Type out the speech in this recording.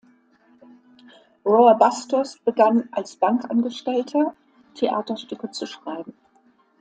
Roa Bastos begann als Bankangestellter, Theaterstücke zu schreiben.